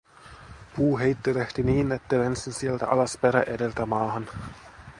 Puu heittelehti niin, että lensin sieltä alas perä edeltä maahan.